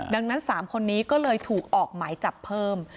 ดังนั้น๓คนนี้ก็เลยถูกออกหมายจับเพิ่ม